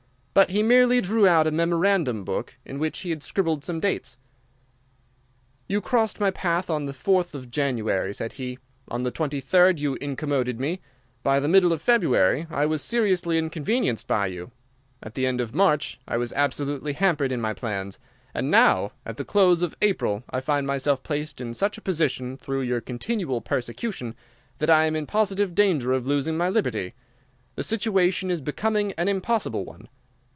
But he merely drew out a memorandum book in which he had scribbled some dates. "'You crossed my path on the 4th of January,' said he. 'On the 23rd you incommoded me; by the middle of February I was seriously inconvenienced by you; at the end of March I was absolutely hampered in my plans; and now, at the close of April, I find myself placed in such a position through your continual persecution that I am in positive danger of losing my liberty. The situation is becoming an impossible one.